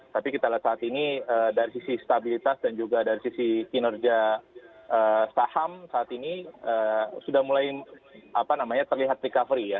tapi kita lihat saat ini dari sisi stabilitas dan juga dari sisi kinerja saham saat ini sudah mulai terlihat recovery ya